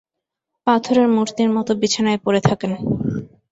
পাথরের মূর্তির মতো বিছানায় পড়ে থাকেন।